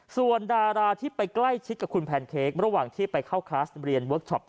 ส่วนดาราที่ไปใกล้ชิดกับคุณแพนเค้กระหว่างที่ไปเข้าคลาสเรียนเวิร์คชอป